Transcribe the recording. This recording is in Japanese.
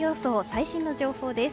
最新の情報です。